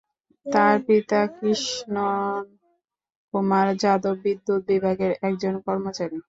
তার পিতা কৃষ্ণন কুমার যাদব বিদ্যুৎ বিভাগের একজন কর্মচারী।